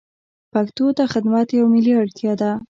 پښتو ته خدمت یوه ملي اړتیا ده.